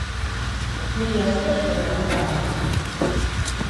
Mila esker zuen arretagatik.